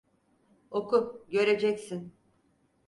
Oku, göreceksin!